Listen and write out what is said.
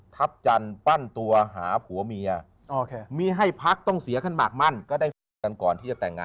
ทัพจันทร์ปั้นตัวหาผัวเมียมีให้พักต้องเสียขั้นมากมั่นก็ได้ฝากกันก่อนที่จะแต่งงาน